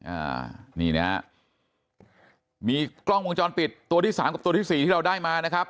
อ่านี่นะฮะมีกล้องวงจรปิดตัวที่สามกับตัวที่สี่ที่เราได้มานะครับ